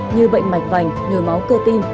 như bệnh mạch mảnh nửa máu cơ tim